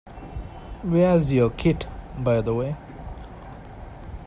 Where’s your kit, by the way?